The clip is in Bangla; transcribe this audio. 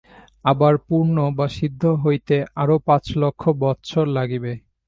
আবার পূর্ণ বা সিদ্ধ হইতে আরও পাঁচ লক্ষ বৎসর লাগিবে।